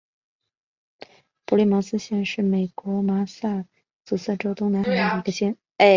普利茅斯县是美国麻萨诸塞州东南海岸的一个县。